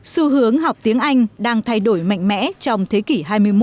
xu hướng học tiếng anh đang thay đổi mạnh mẽ trong thế kỷ hai mươi một